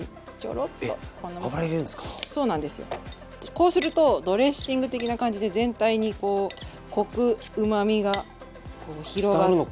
こうするとドレッシング的な感じで全体にこうコクうまみがこう広がって。